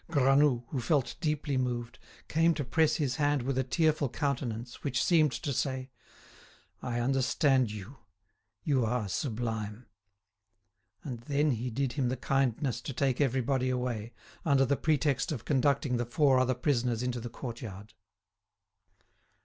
Granoux, who felt deeply moved, came to press his hand with a tearful countenance, which seemed to say: "I understand you; you are sublime!" And then he did him the kindness to take everybody away, under the pretext of conducting the four other prisoners into the courtyard.